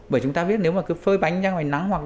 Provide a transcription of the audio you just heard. bởi chúng ta biết nếu mà cứ phơi bánh ra ngoài nắng hoặc